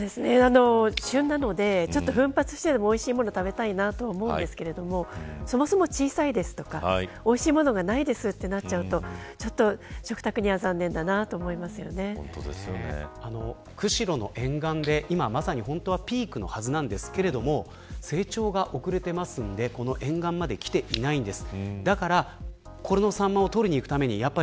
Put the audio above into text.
旬なので奮発してでもおいしいものを食べたいと思うんですけどそもそも小さいですとかおいしいものがないですとなると釧路の沿岸で今まさにピークなはずなんですが成長が遅れているので沿岸まで来ていないんです。